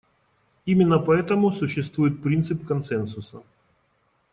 Именно поэтому существует принцип консенсуса.